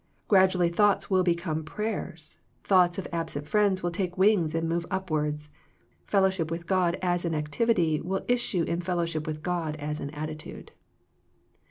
Grad ually thoughts will become prayers, thoughts of absent friends will take wings and move up wards. Fellowship with God as an activity will ; issue in "fellowship with God as an attitude.